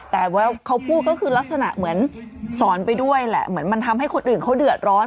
แต่ว่าเขาพูดก็คือลักษณะเหมือนสอนไปด้วยแหละเหมือนมันทำให้คนอื่นเขาเดือดร้อน